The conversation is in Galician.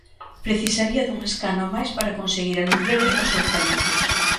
Precisaría dun escano máis para conseguir a luz verde aos orzamentos.